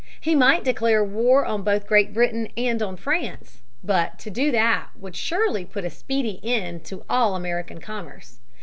He might declare war on both Great Britain and on France. But to do that would surely put a speedy end to all American commerce.